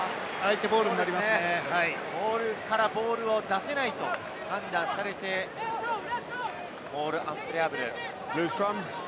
モールからボールを出せないと判断されて、モールアンプレアブル。